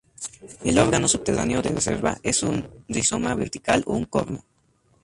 El órgano subterráneo de reserva es un rizoma vertical o un cormo.